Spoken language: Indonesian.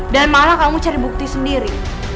dan malah kamu cari bukti sendiri